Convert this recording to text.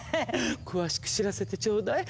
詳しく知らせてちょうだい。